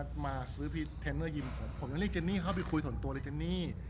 ผมยังเรียกแจนหนี้เข้าไปคุยส่วนตัวเลยแจนหนี้